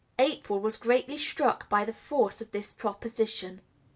April was greatly struck by the force of this proposition.